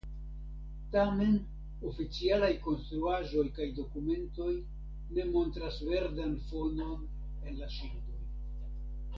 Tamen oficialaj konstruaĵoj kaj dokumentoj ne montras verdan fonon en la ŝildoj.